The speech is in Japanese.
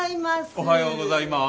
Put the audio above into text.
おはようございます。